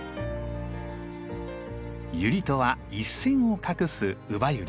ユリとは一線を画すウバユリ。